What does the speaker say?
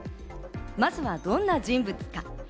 まずはどんな人物か。